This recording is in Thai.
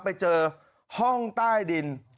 ไปเจอห้องใต้ดิน